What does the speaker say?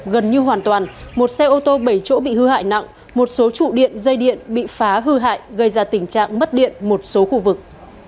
gần như hoàn toàn một xe ô tô bảy chỗ bị hư hại nặng một số trụ điện dây điện bị phá hư hại gây ra tình trạng mất điện một số khu vực